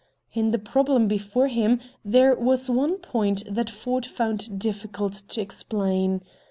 In the problem before him there was one point that Ford found difficult to explain.